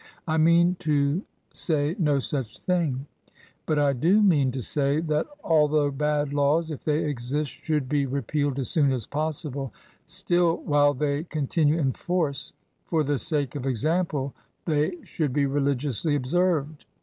I mean to say no such thing. But I do mean to say that al though bad laws, if they exist, should be re pealed as soon as possible, still while they con tinue in force, for the sake of example, they should be religiously observed.